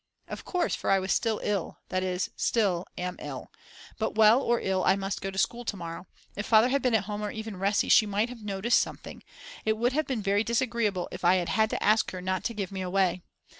Of course, for I was still ill, that is still am ill. But well or ill I must go to school to morrow. If Father had been at home; or even Resi, she might have noticed something. It would have been very disagreeable if I had had to ask her not to give me away.